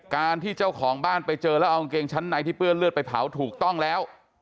การที่เจ้าของบ้านไปเจอแล้วเอากางเกงชั้นในที่เปื้อนเลือดไปเผาถูกต้องแล้ว